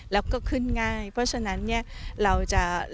แล้วก็ขึ้นง่ายเพราะฉะนั้น